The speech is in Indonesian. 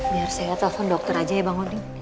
biar saya telepon dokter aja ya bang oding